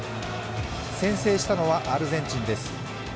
先制したのはアルゼンチンです。